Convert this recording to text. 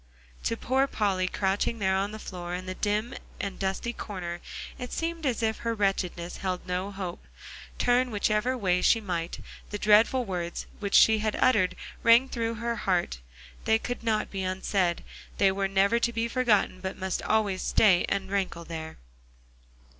To poor Polly, crouching there on the floor in the dim and dusty corner, it seemed as if her wretchedness held no hope. Turn whichever way she might, the dreadful words she had uttered rang through her heart. They could not be unsaid; they were never to be forgotten but must always stay and rankle there.